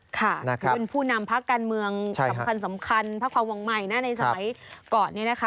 ค่ะคือเป็นผู้นำพักการเมืองสำคัญพระความวงใหม่ในสมัยก่อนนี้